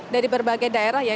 dari berbagai daerah ya